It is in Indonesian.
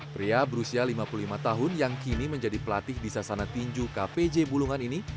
pria berusia lima puluh lima tahun yang kini menjadi pelatih di sasana tinju kvj bulungan ini